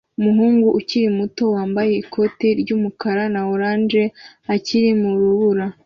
Umuhungu ukiri muto wambaye ikoti ry'umukara na orange akina mu rubura